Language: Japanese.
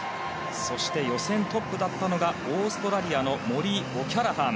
そして予選トップだったのがオーストラリアのモリー・オキャラハン。